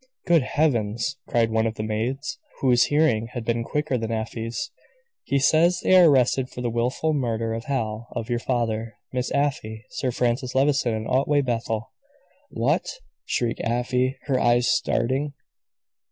"Good Heavens!" cried one of the maids, whose hearing had been quicker than Afy's. "He says they are arrested for the wilful murder of Hal of your father, Miss Afy! Sir Francis Levison and Otway Bethel." "What!" shrieked Afy, her eyes starting.